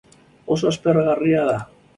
Oso aspergarria da.